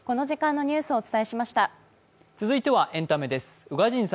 続いてはエンタメです。